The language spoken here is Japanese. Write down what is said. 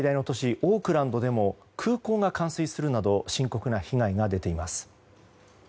オークランドでも空港が冠水するなど深刻な被害が出ています。